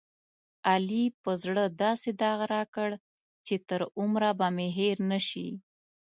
علي په زړه داسې داغ راکړ، چې تر عمره به مې هېر نشي.